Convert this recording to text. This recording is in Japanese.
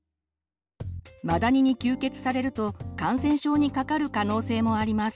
マダニに吸血されると感染症にかかる可能性もあります。